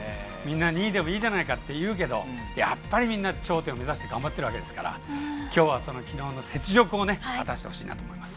２位でもいいじゃないかって言うけどやっぱり頂点を目指して頑張ってるわけですから今日は昨日の雪辱を果たしてほしいなと思います。